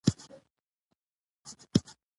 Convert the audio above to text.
د ملالۍ خپلوان چېرته پراته دي؟